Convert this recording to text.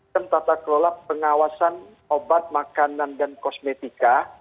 tentata kelola pengawasan obat makanan dan kosmetika